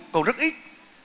còn rất ít